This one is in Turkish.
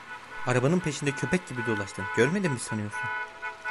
Arabanın peşinde köpek gibi dolaştın, görmedim mi sanıyorsun?